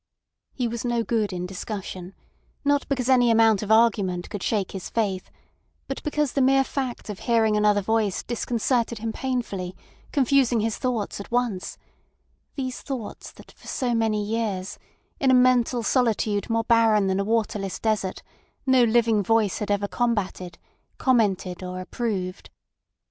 He was no good in discussion, not because any amount of argument could shake his faith, but because the mere fact of hearing another voice disconcerted him painfully, confusing his thoughts at once—these thoughts that for so many years, in a mental solitude more barren than a waterless desert, no living voice had ever combatted, commented, or approved.